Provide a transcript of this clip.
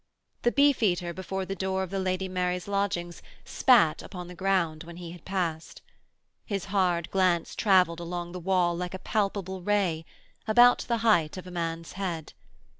The beefeater before the door of the Lady Mary's lodgings spat upon the ground when he had passed. His hard glance travelled along the wall like a palpable ray, about the height of a man's head.